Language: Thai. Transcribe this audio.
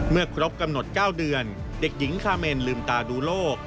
ครบกำหนด๙เดือนเด็กหญิงคาเมนลืมตาดูโลก